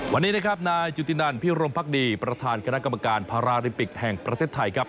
วันนี้นะครับนายจุตินันพิรมพักดีประธานคณะกรรมการพาราลิมปิกแห่งประเทศไทยครับ